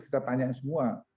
kita tanya semua